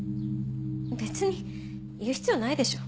別に言う必要ないでしょ。